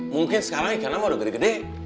mungkin sekarang ikan aku udah gede gede